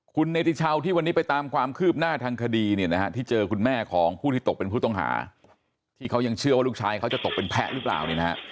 คุณเนติชาวที่วันนี้ไปตามความคืบหน้าทางคดีเนี่ยนะฮะที่เจอคุณแม่ของผู้ที่ตกเป็นผู้ต้องหาที่เขายังเชื่อว่าลูกชายเขาจะตกเป็นแพะหรือเปล่าเนี่ยนะฮะ